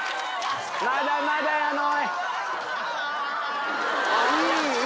まだまだやのう。いい！